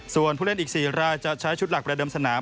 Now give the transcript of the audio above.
ส่วนผู้เล่นอีก๔รายจะใช้ชุดหลักประเดิมสนาม